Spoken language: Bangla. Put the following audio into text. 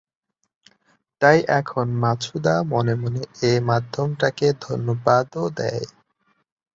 তাই এখন মাছুদা মনে মনে এ মাধ্যমটাকে ধন্যবাদও দেয়।